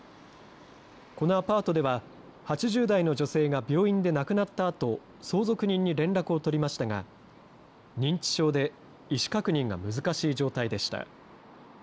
このアパートでは８０代の女性が病院で亡くなったあと、相続人に連絡を取りましたが、認知症で意思確認が難しい状態でした。